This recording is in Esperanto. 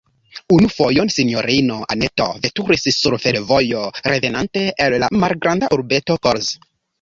Unu fojon sinjorino Anneto veturis sur fervojo, revenante el la malgranda urbeto Kolz.